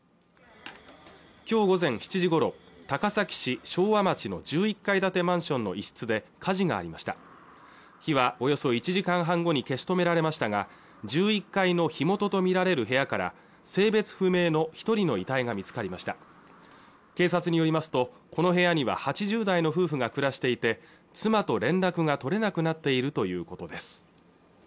今日午前７時ごろ高崎市昭和町の１１階建てマンションの一室で火事がありました火はおよそ１時間半後に消し止められましたが１１階の火元とみられる部屋から性別不明の一人の遺体が見つかりました警察によりますとこの部屋には８０代の夫婦が暮らしていて妻と連絡が取れなくなっているということです